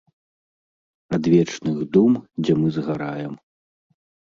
Адвечных дум, дзе мы згараем.